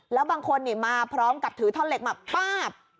แล้วบางคนมาพร้อมกับถือท่อนเหล็กมาป้าบ